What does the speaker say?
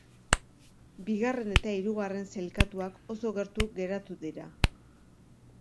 Bigarren eta hirugarren sailkatuak oso gertu geratu dira.